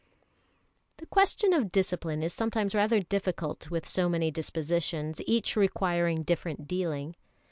The question of discipline is sometimes rather difficult with so many dispositions, each requiring different dealing.